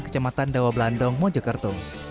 kecematan dawa blandong mojokerto